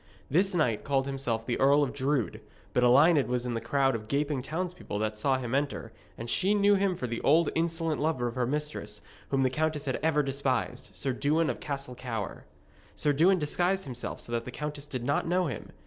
This knight called himself the Earl of Drood, but Elined was in the crowd of gaping townspeople that saw him enter, and she knew him for the old insolent lover of her mistress, whom the countess had ever despised, Sir Dewin of Castle Cower. Sir Dewin disguised himself so that the countess did not know him.